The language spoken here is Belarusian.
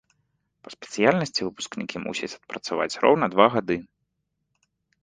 Па спецыяльнасці выпускнікі мусяць адпрацаваць роўна два гады.